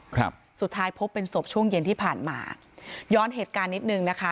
ครับสุดท้ายพบเป็นศพช่วงเย็นที่ผ่านมาย้อนเหตุการณ์นิดนึงนะคะ